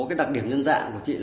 cái đặc điểm nhân dạng của chị